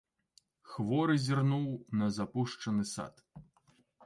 Хворы зірнуў на запушчаны сад.